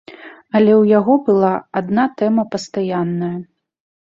Але ў яго была адна тэма пастаянная.